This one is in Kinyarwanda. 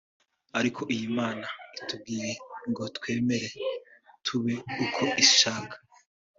Ariko iyo Imana itubwiye ngo twemere tube uko ishaka